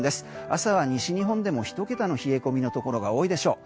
朝は西日本でも１桁の冷え込みのところが多いでしょう。